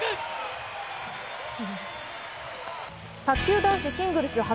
卓球男子シングルス